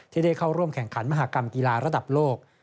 ได้เข้าร่วมแข่งขันมหากรรมกีฬาระดับโลก